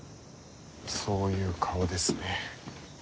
そういう顔ですね。